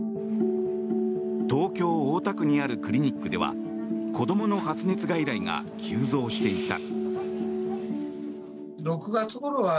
東京・大田区にあるクリニックでは子どもの発熱外来が急増していた。